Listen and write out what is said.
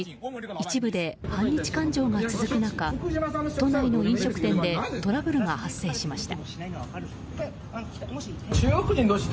一部で反日感情が続く中都内の飲食店でトラブルが発生しました。